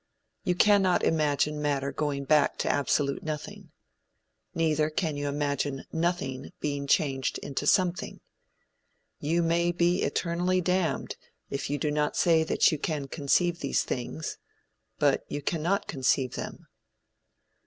You cannot imagine matter going back to absolute nothing. Neither can you imagine nothing being changed into something. You may be eternally damned if you do not say that you can conceive these things, but you cannot conceive them.